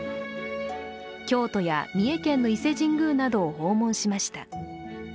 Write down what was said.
京都や三重県の伊勢神宮などを訪問しました。